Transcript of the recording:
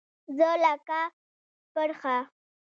زه لکه پرخه